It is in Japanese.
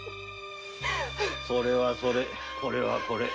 それはそれこれはこれ。